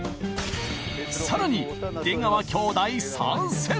さらに出川兄弟参戦！